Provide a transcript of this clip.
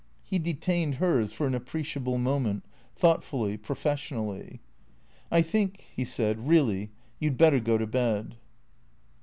He detained hers for an appreciable moment, thoughtfully, professionally. " I think," he said, " really, you 'd better go to bed."